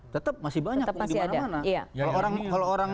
tetap masih banyak pungli dimana mana